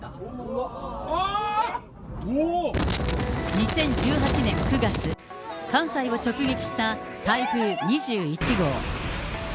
２０１８年９月、関西を直撃した台風２１号。